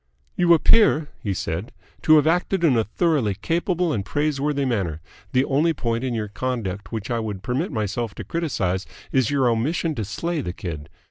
"You appear," he said, "to have acted in a thoroughly capable and praiseworthy manner. The only point in your conduct which I would permit myself to criticise is your omission to slay the kid.